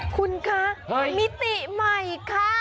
คุณคะมิติใหม่ค่ะ